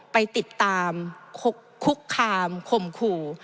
ไปติดตามคุกคามข่มขู่